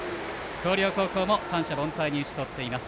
広陵高校も三者凡退に打ち取っています。